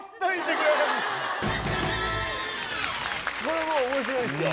これも面白いですよ。